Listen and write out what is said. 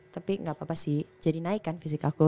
tapi nggak apa apa sih jadi naik kan fisik aku